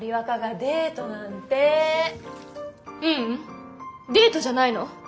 ううんデートじゃないの。